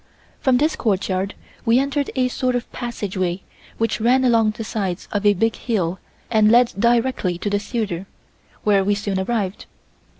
From this courtyard we entered a sort of passageway which ran along the sides of a big hill and led directly to the theatre, where we soon arrived.